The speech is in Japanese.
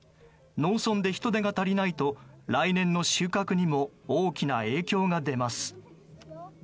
農村で人手が足りないと来年の収穫にも大きな影響が出ます。